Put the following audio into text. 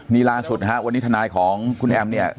นี่ล่าสุดนะฮะวันนี้ทนายของคุณแอมเนี่ย